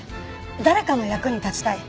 誰かの役に立ちたい。